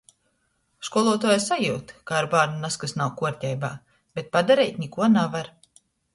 Školuotuoja sajiut, ka ar bārnu nazkas nav kuorteibā, bet padareit nikuo navar.